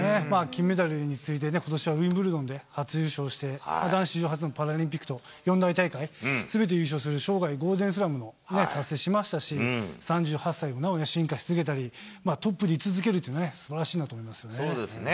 金メダルに次いでことしはウィンブルドンで初優勝して、男子史上初のパラリンピックと四大大会、すべて優勝する、生涯ゴールデンスラムを達成しましたし、３８歳でなお進化し続けたり、トップに居続けるってすばらしいなと思いますね。